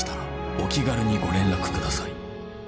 「お気軽にご連絡ください」